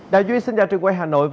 đào duy xin chào trên quay hà nội